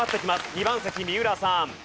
２番席三浦さん。